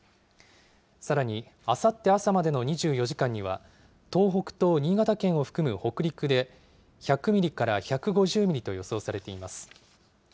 さらにあさって朝までの２４時間には、東北と新潟県を含む北陸で１００ミリから１５０ミリと予想されています。